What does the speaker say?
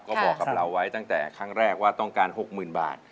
ก็บอกกับเราไว้ตั้งแต่ครั้งแรกว่าต้องการ๖๐๐๐บาท